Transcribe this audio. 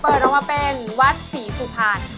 เปิดลองมาเป็นวัดศรีสุภาณ